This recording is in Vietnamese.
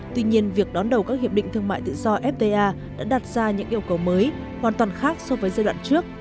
tuy nhiên việc đón đầu các hiệp định thương mại tự do fta đã đặt ra những yêu cầu mới hoàn toàn khác so với giai đoạn trước